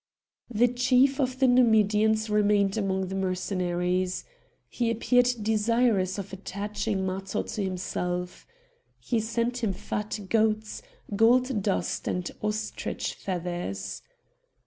The chief of the Numidians remained amongst the Mercenaries. He appeared desirous of attaching Matho to himself. He sent him fat goats, gold dust, and ostrich feathers.